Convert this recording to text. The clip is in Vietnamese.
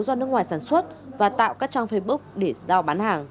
do nước ngoài sản xuất và tạo các trang facebook để giao bán hàng